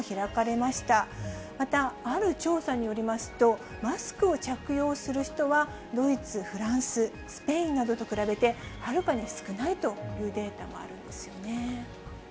また、ある調査によりますと、マスクを着用する人は、ドイツ、フランス、スペインなどと比べて、はるかに少ないというデータもあるんですよね。